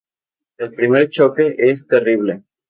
El primer choque es terrible.